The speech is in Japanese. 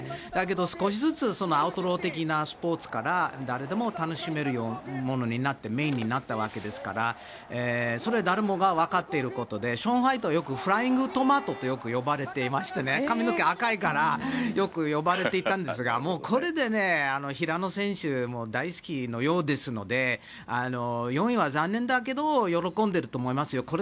だけど、少しずつアウトロー的なスポーツから誰でも楽しめるものになってメインになったわけですからそれは誰もが分かっていることでショーン・ホワイトはよくフライングトマトといわれていまして髪の毛赤いからよく呼ばれていたんですが平野選手も大好きなようですので４位は残念だけど喜んでいると思いますよ。